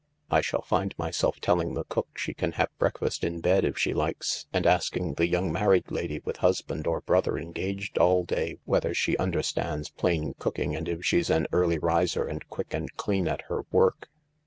I shall find myself telling the cook she can have breakfast in bed if she likes, and asking the young married lady with husband or brother engaged all day whether she understands plain cooking and if she's an early riser and quick and clean at her work."